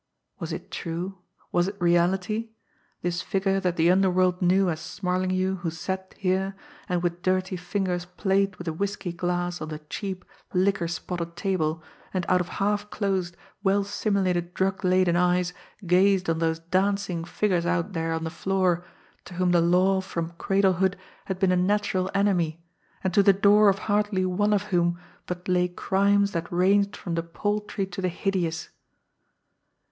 Was it true, was it reality this figure that the underworld knew as Smarlinghue, who sat here, and with dirty fingers played with a whisky glass on the cheap, liquor spotted table, and out of half closed, well simulated drug laden eyes gazed on those dancing figures out there on the floor to whom the law from cradlehood had been a natural enemy, and to the door of hardly one of whom but lay crimes that ranged from the paltry to the hideous!